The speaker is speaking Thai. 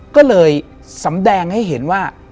ก็เลยสำแดงให้เห็นว่า